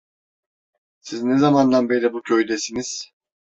Siz ne zamandan beri bu köydesiniz?